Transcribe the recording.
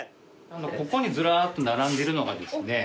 ここにずらーっと並んでるのがですね